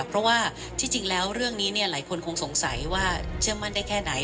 เพราะว่าที่จริงแล้วเรื่องนี้หลายคนคงสงสัยว่าเชื่อมั่นได้แค่ไหน